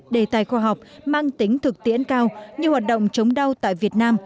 đề tài khoa học mang tính thực tiễn cao như hoạt động chống đau tại việt nam